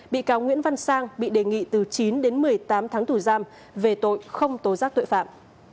bị cáo nguyễn văn sang bị đề nghị từ chín đến một mươi tám tháng tù giam về tội không tố giác tội phạm